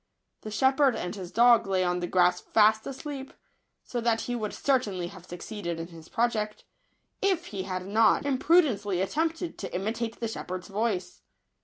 The shepherd and his dog lay on the grass fast asleep ; so that he would certainly have succeeded in his project, if he had not imprudently attempted to imitate the shep herd's voice.